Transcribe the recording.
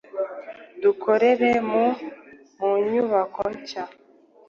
Dukorera mu munyubako nshya